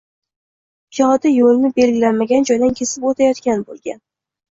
Piyoda yo‘lni belgilanmagan joydan kesib o‘tayotgan bo‘lgan